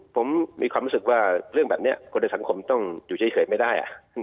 ผมมีความรู้สึกว่าเรื่องแบบนี้คนในสังคมต้องอยู่เฉยไม่ได้